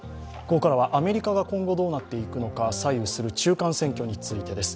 ここからはアメリカが今後どうなっていくのか左右する中間選挙についてです。